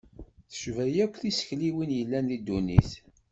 Tecba akk tisekliwin yellan deg ddunit.